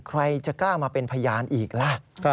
ใครจะกล้ามาเป็นพยานอีกล่ะ